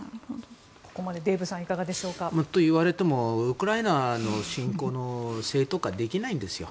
ここまでデーブさんいかがでしょうか。と言われてもウクライナへの侵攻の正当化はできないんですよ。